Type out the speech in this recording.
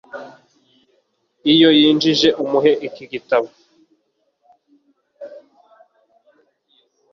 Iyo yinjiye umuhe iki gitabo